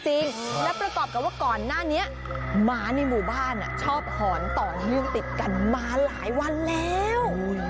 ประกอบกับว่าก่อนหน้านี้หมาในหมู่บ้านชอบหอนต่อเนื่องติดกันมาหลายวันแล้ว